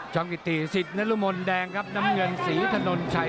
กิติสิทธิ์นรมนแดงครับน้ำเงินศรีถนนชัย